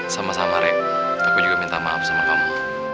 sama sama rek aku juga minta maaf sama kamu